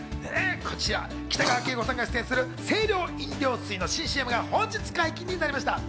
こちら、北川景子さんが出演する清涼飲料水の新ＣＭが本日解禁になりました。